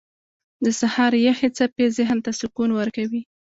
• د سهار یخې څپې ذهن ته سکون ورکوي.